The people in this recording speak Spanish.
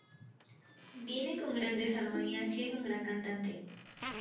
Viene con grandes armonías, y es un gran cantante.